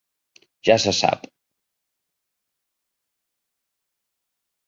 Ja se sap.